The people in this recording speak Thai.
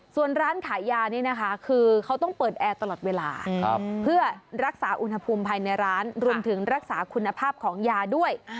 ส่วนร้านขายยานี่นะคะคือเขาต้องเปิดแอร์ตลอดเวลาเพื่อรักษาอุณหภูมิภายในร้านรวมถึงรักษาคุณภาพของยาด้วย